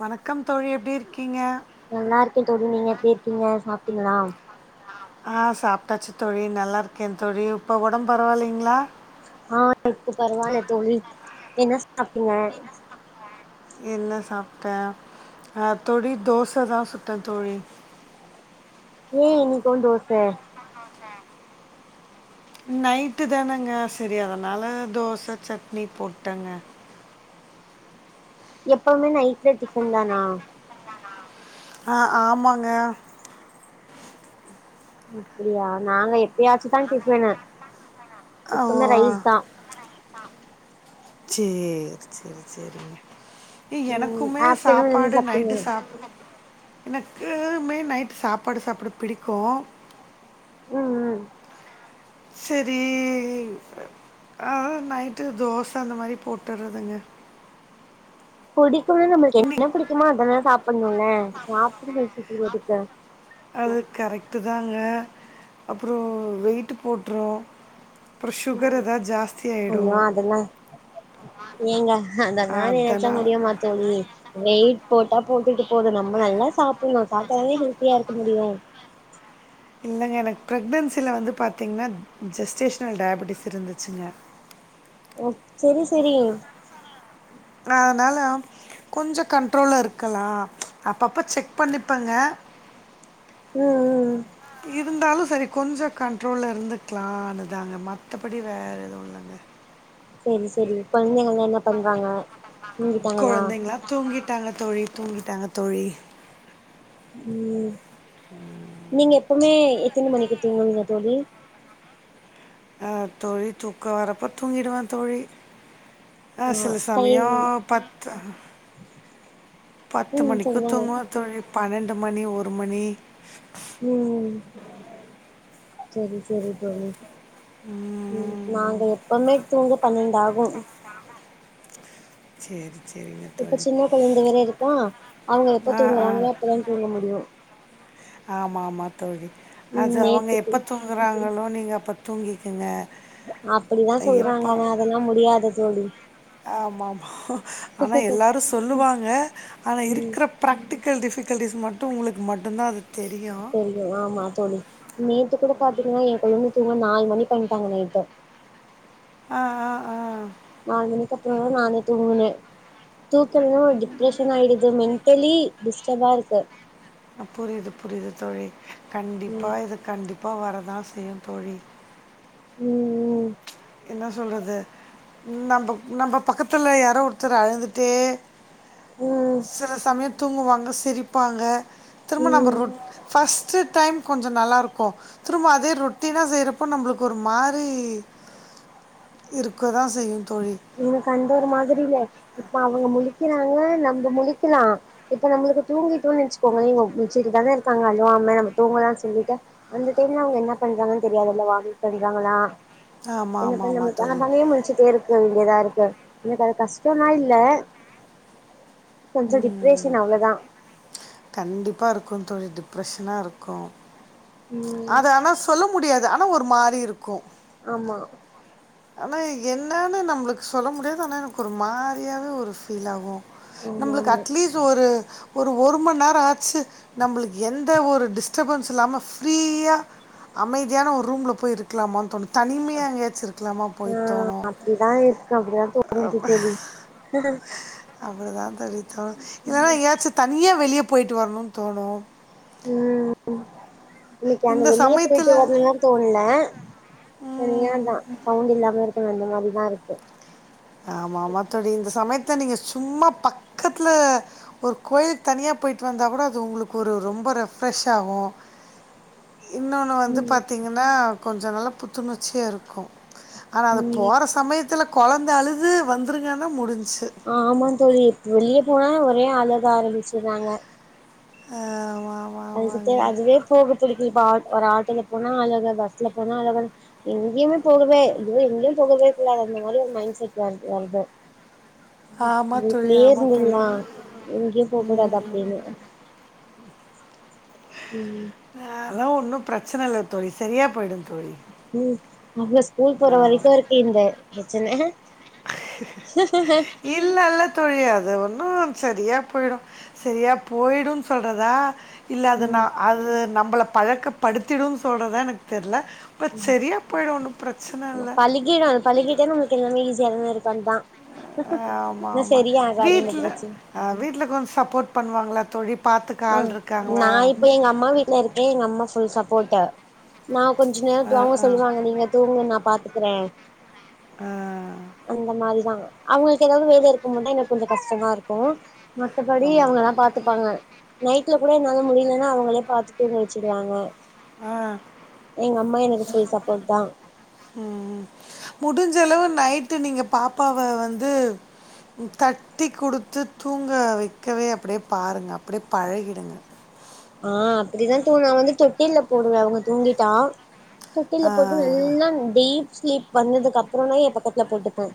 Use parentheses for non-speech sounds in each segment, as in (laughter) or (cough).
வணக்கம் தோழி எப்படி இருக்கீங்க (inaudible) நல்லா இருக்கேன் தோழி நீங்க எப்படி இருக்கீங்க சாப்ட்டீங்களா (inaudible) ஆஹ் சாப்ட்டாச்சு தோழி நல்லா இருக்கேன் தோழி இப்ப உடம்பு பரவாயில்லைங்களா ஆஹ் எனக்கு பரவாயில்ல தோழி என்ன சாப்ட்டீங்க என்ன சாப்ட்டேன் ஆஹ் தோழி தோச தான் சுட்டேன் தோழி ஏன் இன்னைக்கும் தோச நைட்டு தானேங்க சேரி அதனால தோச சட்னி போட்டேங்க எப்பவுமே நைட்ல டிஃபன் தானா ஆ ஆமாங்க அப்படியா நாங்க எப்பயாச்சு தா டிஃபனு ஓ எப்பமே ஆ. ரைஸ் தா சேரி சேரி சேரிங்க ம் எனக்குமே ஆஃப்டர்நூன் என்ன சாப்பாடு சாப்ட்டீங்க நைட்டு சாப் எனக்குமே நைட் சாப்பாடு சாப்பிட பிடிக்கு ம் ம் சரி அ நைட்டு தோச அந்த மாரி போட்டறதுங்க புடிக்கும்னா நம்மளுக்கு என்ன இன்னைக்கு புடிக்குமோ அதல்லா சாப்டணும்ல சாப்ட்ற விஷயத்துல எதுக்கு அது கரெக்ட்டு தாங்க அப்பற வெயிட் போட்று அப்புற ஷுகர் எதா ஜாஸ் ஐயோ அதெல்லா ஏங்க அதெல்லா நெனச்சா அதனால் முடியுமா தோழி வெயிட் போட்டா போட்டுட்டு போது நம்ம நல்லா சாப்டுணு சாப்ட்டாதான ஹெல்த்தியா இருக்க முடியு இல்லங்க எனக்கு ப்ரெக்னன்சியில வந்து பாரத்தீங்கன்னா ஜெஸ்டேஷனல் டயபட்டிஸ் இருந்துச்சுங்க ஓ செரி செரி நா அதனால கொஞ்ச கண்ட்ரோல்ல இருக்கலா அப்பப்ப செக் பண்ணிப்பங்க ம் ம் ம் இருந்தாலு சரி கொஞ்சோ கண்ட்ரோல்ல இருந்துக்கலான்னுதாங்க மத்தபடி வேற எதுவு இல்லங்க சரி சரி கொழந்தைங்கல்லா என்ன பண்றாங்க தூங்கிட்டாங்களா கிட்டாங்க தோழி தூங்கிட்டாங்க தோழி ம் நீங்க எப்பவுமே எத்தன மணிக்கு தூங்குவீங்க தோழி ஆ தோழி தூக்க வரப்ப தூங்கிறுவ தோழி ஆ சில சமய பத்து பத்து ம் மணிக்கு சொல்லுங்க தூங்குவ தோழி பன்னெண்டு மணி ஒரு மணி ம் சரி சரி தோழி ம் நாங்க எப்பமே தூங்க பன்னெண்டு ஆகு சேரி இப்ப சின்ன கொழந்தை வேற இருக்கா அவங்க எப்ப ஆ தூங்குறாங்களோ அப்பதா தூங்க முடியு ஆமா ஆமா தோழி ம் அது அவங்க நேத்துக்கு எப்போ தூங்குறாங்களோ நீங்க அப்போ தூங்கிக்கிங்க அப்பிடி தான் சொல்றாங்க ஆனா அதெல்லா முடியாது தோழி ஆமாமா ஆனா எல்லாரு சொல்லுவாங்க ஆனா ம் இருக்கிற ப்ராக்ட்டிக்கல் டிஃபிக் கல்ட்டீஸ் மட்டு உங்களுக்கு மட்டுந்தா அது தெரியும். தெரியு ஆமா தோழி நேத்து கூட பாத்தீங்கன்னா என் கொழந்த தூங்க நாலு மணி பண்ட்டாங்க நைட்டு ஆ ஆ அ நாலு மணிக்குகு அப்புறம் தா நானே தூங்கின தூக்கல்லன்னா ஒரு டிப்ரஷன் ஆயிடுது மென்ட் ட்டலி டிஸ்டபா இருக்கு புரியுது புரியுது தோழி கண்டிப்பா ம் இது கண்டிப்பா வரது தா செய்யும் தோழி ம் ம் என்ன சொல்றது நம்ப நம்ப பக்கத்துல யாரோ ஒருத்தர் அழுந்துட்டே ம் சில சமயம் தூங்குவாங்க சிரிப்பாங்க திரும்ப நம்ம ம் ரொட் ஃபஸ்ட் டைம் கொஞ்ச நல்லா இருக் கு திரும்ப அதே ரொட்டினா செய்யறப்போ நம்மளுக்கு ஒரு மாரி இருக்குதா எனக்கு அந்த ஒரு மாதிரில இப்ப அவங்க முழிக்கிறாங்க நம்ம முழிக்கலா இப்ப நம்ளுக்கு தூங்கிட்டோனு வச்சுக்கோங்களே (unintelligible) இருக்காங்க (unintelligible) நம்ம தூங்கலா சொல்லிட்டு அந்த டைம்ல அவங்க என்ன பண்றாங்க தெரியாதுல்ல வாகி் பண்றாங்களா ஆமா, என்ன ஆமா, பண்ண ஆமா தோழி. (unintelligible) (unintelligible) முழிச்சுட்டே இருப் (unintelligible) இருக்கு எனக்கு அது கஷ்டமா இல்ல கொஞ்சோ டிப்ரஷன் அவ்ளோதா கொஞ்சோ டிப்ரஷனா இருக்கு ம் அத ஆனா சொல்ல முடியா து ஆனா ஒரு மாரி இருக்கு ஆமா ஆனா என்னானு நம்ளுக்கு சொல்ல முடியாது ஆனா எனக்கு ஒரு மாரியாவே ஒரு ஃபீல் ஆகு ஆமா நம்ளுக்கு ஆமா அட்லீஸ் ஒரு ஒ ஒரு மணி நேர ஆச்சு நம்ளுக்கு எந்த ஒரு டிஸ்டபன்ஸ் இல்லாம ஃப்ரீயா அமைதியான ஒரு ரூம்ல போய் இருக்கலாமானு தோணு தனிமையா எங்காச்சு இருக் ஹ் அப்டிதா இருக்கு அப்டிதா தோனுந்து தோழி அப்டிதா தோழி தோணு இதெல்லா எங்காச்சு தனியா வெளிய போயிட்டு வரணு தோணு ம் இன்னைக்கு அந்த இந்த வெளிய போயிட்டு சமயத்தில் வரனுன்லா தோண்ல தனியாதா சவுண்ட் இல்லாம இருக்கணு அந்த மாரிதா இருக்கு ஆமா ஆமா தோழி இந்த சமயத் த நீங்க சும்மா பக்கத்ல ஒரு கோயில் தனியா போயிட்டு வந்தா கூட அது உங்ளுக்கு ஒரு ரொம் ப ரெஃப்ரஷ் ஆகு ஆஹ இன்னொன்னு வந்து பாத்தீங்கனா கொஞ்சோ நல்லா புத்துணர்ச்சியா இருக்கு ஆனா அது ம் போற சமயத்துல கொழந்த அழுது வந்துருங்கனா முடிஞ் ஆமா தோழி இப்ப வெளிய போனா ஒரே அழக ஆரம்பிச்றாங்க ஆஹ மா அதுக்குதே அதுவே போக புடிக் இப்ப ஆட் ஒரு ஆட்டோல போனா அழக பஸ்ல போனா அழக எங்கைமே போகவே இதுவே எங்கைமே போக (unintelligible) அந்த மாரி ஒரு மைண்ட் செட் வருத் வருது ஆமாம் தோழி வீட்லேயே ஆமாம் தோழி இருந்துர்லா எங்கையு போக கூடாது அப்டினு அ அதலா ஒன்னு பிரச்சன இல்ல தோழி செரியா போய்டு ம் (unintelligible) ஸ்கூல் போற வரைக்கு இருக்கு இந்த பிரச்சன ஹ இல்ல இல்ல தோழி அது ஒன்னு செரியா போயிடு செரியா போயிடுனு சொல்றதா இல்ல அது நா ம் அது நம்பள பழக்கப்படுத்திடு சொல்கிறதா எனக்கு தெர்ல பட் சரியா போயிடும் ஒன்னும் பிரச்சன இல்ல. பழகிடு பழகிட்டா நமக்கு எல்லாமே ஈஸியாத இருக்குந்தா ஆமா ஆமா ஆகாது இந்த வீட்ல பிரச்சன அ வீட்ல கொஞ்சோ சப்போட் பண்ணுவாங்களா தோழி பாத்துக்க ஆள் ஆஹ் நா இருக்காங்களா? இப்ப எங்க அம்மா வீட்ல இருக்கே எங்க அம்மா ஃபுல் சப்போட்டு நா கொஞ்ச நேரோ அ, துவங்க அ, சொல்லுவாங்க நீங்க தூங்கு நா பாத்துக்றே ஆ. அந்த மாரிதா அவங்களுக்கு ஏதாவது வேல இருக்கும் போதுத எனக்கு கொஞ்சோ கஷ்டமா இருக்கு மத்தபடி ஆமாமா. அவங்கல்லா பாத்துப்பாங்க நைட்ல கூட என்னால முடியலன்னா அவங்களே பாத்து தூங்க வச்சுடுவாங்க ஆ. எங்க அம்மா எனக்கு ஃபுல் சப்போட் தா முடுஞ்சளவு நைட்டு நீங்க பாப்பாவ வந்து தட்டி குடுத்து தூங்க வைக்கவே அப்டியே பாருங்க அப்டியே பழகிடுங்க ஆஹ் அப்டிதா தூ நா வந்து தொட்டில்ல போடுவே அவங்க தூங்கிட்டா தொட்டில ஆ போட்டு நல்லா டீப் ஸ்லீப் வந்ததுக்கு அப்றோ தா எ பக்கத்துல போட்டுப்பே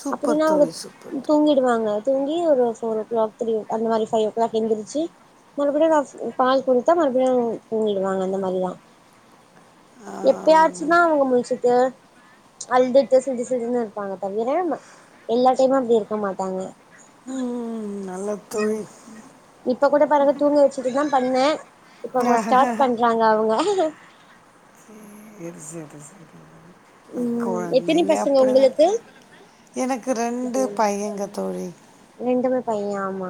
சூப்பர் அப்டின்னா அவங்க தோழி, சூப்பர். தூங்கிடுவாங்க தூங்கி ஒரு ஃபோரோ கிளாக் தீரி அந்த மாரி ஃபை ஓ கிளாக் எந்திரச்சு மறுபடி நா பால் குடுத்தா மறுபடியு தூங்கிடுவாங்க அந்த மாரிதா ஆ, எப்பாச்சுதா அவங்க முழிச்சுட்டு அழுதுட்டு சிடு சிடுனு இருப்பாங்க தவிர எல்லா டைமு அப்டி இருக்க மாட்டாங்க ம் ம் ம் ம் இப்ப கூட பாருங்க தூங்க வச்சுட்டுதா பண்ணே இப்ப அவங்க ஸ்டார்ட் பண்றாங்க அவங்க சரி சரி சரி ம் எத்தினி கொழந்தங்க பசங்க அப்படிதா உங்களுக்கு எனக்கு ரெண்டு பையங்க தோழி ரெண்டுமே பைய ஆமா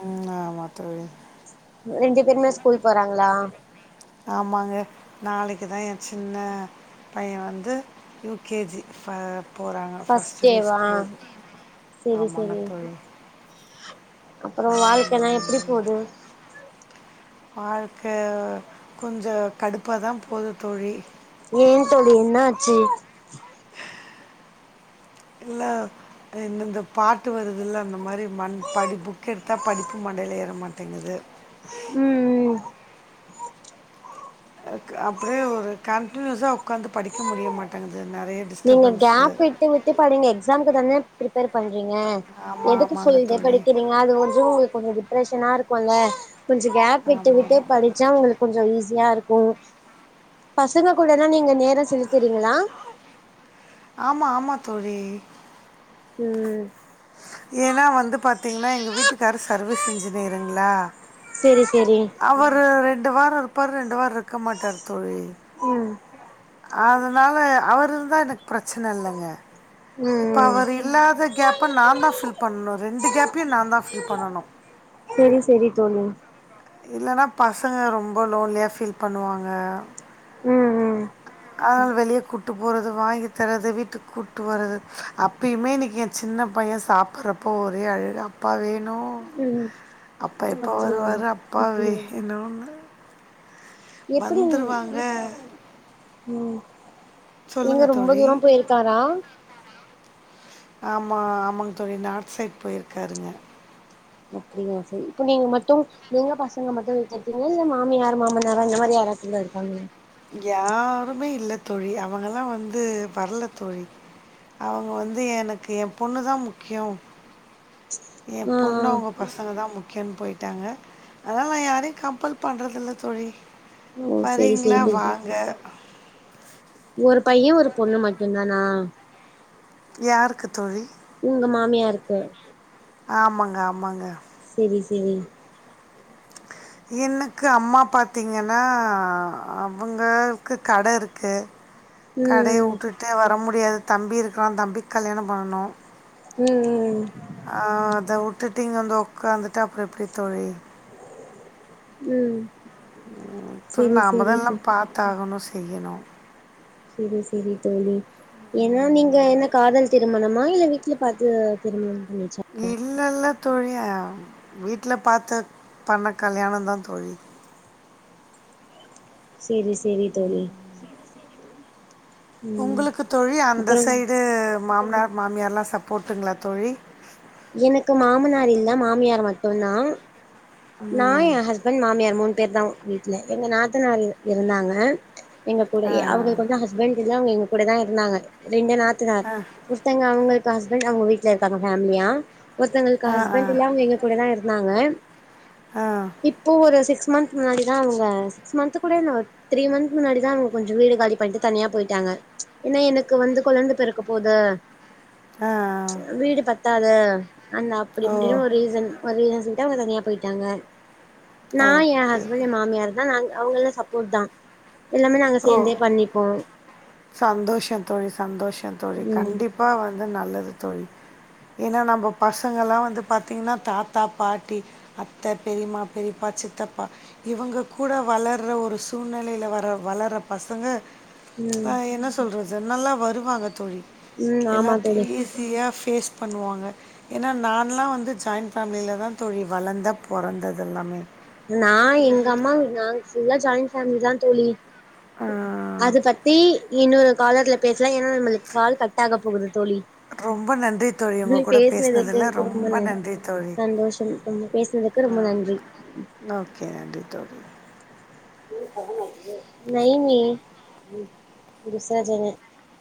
ம் ஆமா தோழி ரெண்டு பேருமே ஸ்கூல் வறாங்களா ஆமாங்க நாளைக்குதா ஏ சின்ன பைய வந்து யூ கே ஜி ஃப போறாங்க ஃபர்ஸ்ட் ஃபர்ஸ்ட்டு டே டேவா ஸ்கூல் செரி ஆமாங்க தோழி அப்புற வாழ்க்கைல்லா எப்டி போது வாழ்க்க கொஞ்ச கடுப்பாதா போது தோழி ஏ தோழி என்னாச்சு இல்ல இப்ப இந்தந்த பாட்டு வருதுல்ல அந்த மாரி மண் படிப்புக் ஏத்தா படிப்பு மண் வெளியேற மாட்டேங்குது ம் ம் அப்டியே ஒரு கண்டினியூஸா உக்காந்து படிக்க முடிய மாட்டாங்கது நீங்க கேப் விட்டு விட்டு படிங்க எக்ஸாம்க்கு தானே பிப்பேர் பண்றீங்க ஆமாம் எதுக்கு ஸ்கூல் ஆமாங்க டே தோழி படிக்கிறீங்க அது கொஞ்ச உங்க கொஞ்ச டிப்ரஷனா இருக்கு கொஞ்ச கொஞ்ச கேப் விட்டு ஆமாம் விட்டு ஆமாம் படிச்சா உங்களுக்கு கொஞ்ச ஈ சயா இருக்கு பசங்க கூட தா நீங்க நேர செலுத்துறீங்களா ஆமா ஆமா தோழி ம் ஏன்னா வந்து பாத்தீங்கன்னா எங்க வீட்டுக்கார சர்வீஸ் இன்ஜினியருங்களா செரி செரி அவரு ரெண்டு வார இருப்பாரு ரெண்டு வார இருக்க மாட்டாரு தோழி ம் அதனால அவரு இருந்தா எனக்கு பிரச்சனை இல்லைங்க ஆ இப்ப அவர் இல்லாத கேப்ப நாந்தா ஃபில் பண்ணனு ரெண்டு கேப்பையு நாந்தா ஃபில் பண்ணனு சரி சரி தோழி இல்லன்னா பசங்க ரொம்ப லோன்லியா ஃபீல் பண்ணுவாங்க ம் ம் வெளியே கூட்டு போறது வாங்கி தரது வீட்டுக்கு கூட்டு வரது அப்பயுமே இன்னைக்கு ஏ சின்ன பைய ய சாப்பறப்ப ஒரே அழுக் அப்பா வே ணு ம் அப்பா எப்ப அப்டியா வருவாரு அப்பா வேணு எப்டி வந்துருவாங்க ம் இங்க சொல்லுங்க ரொம்ப தோழி தூர போய்ருக்காரா ஆமா ஆமாங்க தோழி நார்த் சைட் போயிருக்காருங்க அப்படியா சரி இப்ப நீங்க மட்டு நீங்க பசங்க மட்டு வட்டீங்களா இல்ல மாமியார் மாமனார அந்த மாரி வர புல்லா இருக்காங்கா யாருமே இல்ல தோழி அவங்கல்லா வந்து வரல தோழி அவங்க வந்து எனக்கு எ பொண்ணுதா முக்கியோ ஏ பொண்ணு ஆ அவங்க பசங்கதா முக் முக்கியன் போயிட்டாங்க அதனால நா யாரையு கம்பல் பண்றது இல்ல தோழி ஆ ஓ செரி செரி வரீங்களா தோழி வாங்க ஒரு பைய ஒரு பொண்ணு மட்டுந்தானா யாருக்கு தோழி உங்க மாமியா இருக்கு ஆமாங்க ஆமாங்க செரி செரி எனக்கு அம்மா பாத்தீங்கன்னா அவங்களுக்கு கட இருக்கு கடைய ம் உட்டுட்டா வர முடியாது தம்பி இருக்கா தம்பிக் கல்யாணோ பண்ணணூ ம் ம் திடீங் வந்து ஒக்காந்துட்டா அப்றோ எப்டி தோழி ம் ம் க்ர் செரி நாமதா செரி எல்லா தோ பாத்தாகணு செய்யணு செரி செரி தோழி ஏனா நீங்க எனக் காதல் திருமணமா இல்ல வீட்ல பாத்து திருமணமா பண்ணி வச்சாங்ளா இல்லல்ல தோழி ஆம் வீட்ல பாத்துப் பண்ண கல்யாணந்தா தோழி ஆஹ செரி செரி தோழி ம் உங்குளுக்கு தோழி அந்த அப்புறம் சைடு மாமனார் மாமியார்லா சப்போட்டுங்ளா தோழி கிர்னா நா ம் எ ஹஸ்பண்ட் மாமியார் மூண் பேர்தா வீட்ல எங்க நாத்தனார் இ இருந்தாங்க எங்க ஆ கூடயே அவுங்குளுக் வந்து ஹஸ்பண்ட் இல்ல எங்க கூட தா இருந்தாங்க ரெண்டு நாத்தனார் ஒருத்தங்க அவுங்களுக்கு ஹஸ்பண்ட் அவங்க வீட்ல இருக்காங்க ஃபேம்லியா ஒருத்தங்களுக்கு ஆ ஆ ஹஸ்பண்ட் இல்ல அவுங்க எங்க கூடதா இருந்தாங்க ஆ இப்போ ஒரு சிக்ஸ் மந்த் முன்னாடிதா அவுங்க சிக்ஸ் மந்த்து கூட ஒரு த்ரீ மந்த் முன்னாடிதா அவுங் கொஞ்ச் வீடு காலி பண்ட்டு தனியா போயிட்டாங்க ஏனா எனக்கு வந்து கொழந்த பெறக்க போது ஆ ஆ வீடு பத்தாது அந்த அப்டி ஓ இப்டின்ட ஒரு ரீசன் ஒரு ரீசன் தேவ தனியா போயிட்டாங்க நா எ ஓகே ஹஸ்பண்ட் மாமியார் தா நாங்க அவுங்கலா சப்போர்ட் தா எல்லாமே நாங்க ஓ சேந்தே பண்ணிப்போ சந்தோஷோ தோழி சந்தோஷ் அ தோழி ம் கண்டிப்பா வந்து நல்லது தோழி ஏனா நம்ப பசங்கல்லா வந்து பாதீங்னா தாத்தா பாட்டி அத்த பெரிய்மா பெரிய்பா சித்தப்பா இவங்க கூட வளர்ற ஒரு சூழ்நெலைல வரவ் வளர்ற பசங்க ம் ஆ என்ன சொல்றது நல்லா வருவாங்க தோழி ம் ஆமா எல்லாத்தியு தோழி ஈஸியா ஃபேஸ் பண்ணுவாங்க ஏனா நான்லா வந்து ஜாயிண்ட் ஃபேம்லில தா தோழி வளந்தே பொறந்ததெல்லாமே நான் எங்கம்மா நாங் ஃபுல்லா ஜாயின் ஃபேம்லி தா தோழி அ அது பத்தி இன்னொரு காலர்ல பேசலா ஏனா நம்ளுக் கால் கட் ஆக போகுது தோழி ரொம்ப நன்றி தோழி. உங்க முளி கூட பேசினதுக்கு பேசினதுல ரொம்ப ந நன்றி தோழி. சந்தோஷம் கம் பேசினக்கு ம்ப நன்றி னோகே நன்றி தோழி ந ம தூசரா ஜன